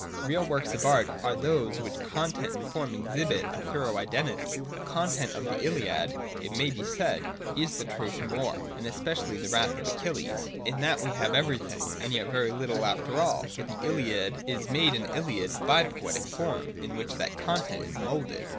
Real works of art are those where content and form exhibit a thorough identity. The content of the Ihad, it may be said, is the Trojan war, and especially the wrath of Achilles. In that we have everything, and yet very little after all ; for the Iliad is made an Iliad by the poetic form, in which that content is moulded.